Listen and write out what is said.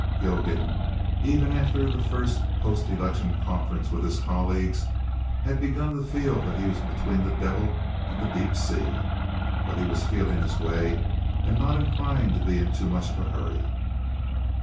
Gilgan, even after the first post election conference with his colleagues, had begun to feel that he was between the devil and the deep sea, but he was feeling his way, and not inclined to be in too much of a hurry.